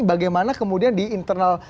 bagaimana kemudian di internal